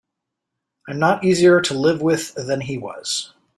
I'm not easier to live with than he was.